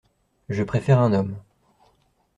Je préfère un homme.